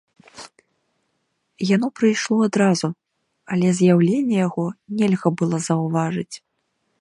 Яно прыйшло адразу, але з'яўлення яго нельга было заўважыць.